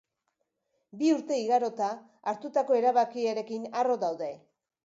Bi urte igarota, hartutako erabakiarekin harro daude.